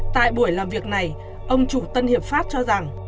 tại buổi làm việc này ông chủ tân hiệp pháp cho rằng